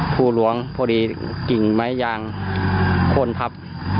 ผู้หลวงพอดีกิ่งไม้ยางคนพรรภ